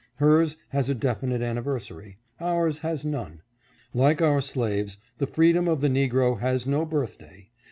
Hers has a definite anniversary. Ours has none. Like our slaves, the freedom of the negro has no birthday.